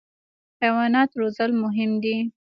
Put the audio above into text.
حیوانات روزل مهم دي.